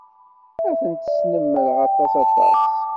Ad ten-snemmreɣ aṭas aṭas.